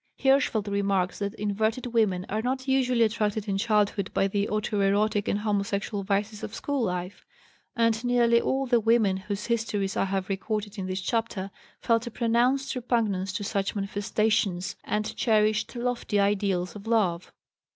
Hirschfeld remarks that inverted women are not usually attracted in girlhood by the autoerotic and homosexual vices of school life, and nearly all the women whose histories I have recorded in this chapter felt a pronounced repugnance to such manifestations and cherished lofty ideals of love.